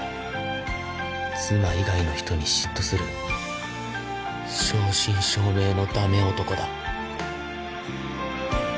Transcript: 妻以外の人に嫉妬する正真正銘のダメ男だ